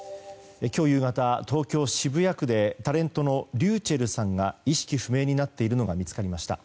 今日夕方、東京・渋谷区でタレントのｒｙｕｃｈｅｌｌさんが意識不明になっているのが見つかりました。